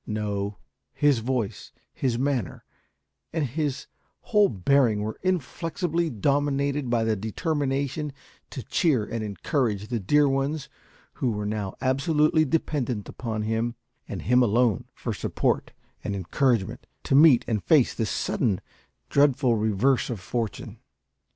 No; his voice, his manner, and his whole bearing were inflexibly dominated by the determination to cheer and encourage the dear ones who were now absolutely dependent upon him, and him alone, for support and encouragement to meet and face this sudden, dreadful reverse of fortune.